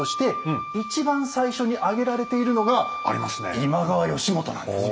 今川義元なんですよ。